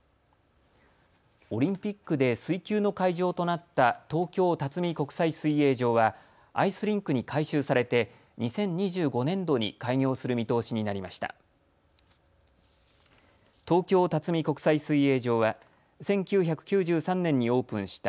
オリンピックで水球の会場となった東京辰巳国際水泳場はアイスリンクに改修されて２０２５年度に開業する見通しになりました。